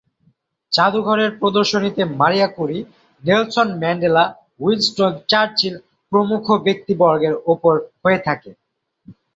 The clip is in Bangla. জাদুঘরের প্রদর্শনীতে Maria Curie, Nelson Mandela, Winston Churchill প্রমুখ ব্যক্তিবর্গের উপর হয়ে থাকে।